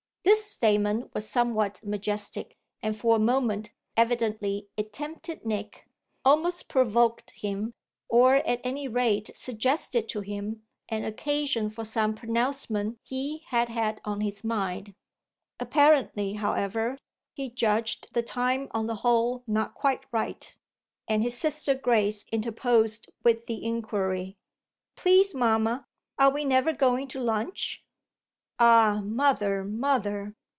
This statement was somewhat majestic, and for a moment evidently it tempted Nick, almost provoked him, or at any rate suggested to him an occasion for some pronouncement he had had on his mind. Apparently, however, he judged the time on the whole not quite right, and his sister Grace interposed with the inquiry "Please, mamma, are we never going to lunch?" "Ah mother, mother!"